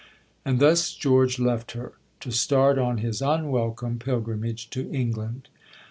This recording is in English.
And thus George left her, to start on his unwelcome pilgrimage to England.